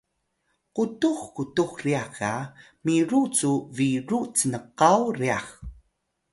qutux qutux ryax ga miru cu biru cnkaw ryax